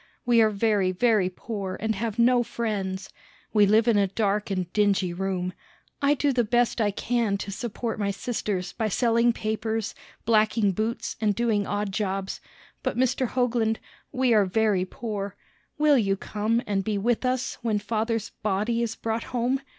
We are very, very poor, and have no friends. We live in a dark and dingy room. I do the best I can to support my sisters by selling papers, blacking boots, and doing odd jobs; but Mr. Hoagland, we are very poor. Will you come and be with us when father's body is brought home?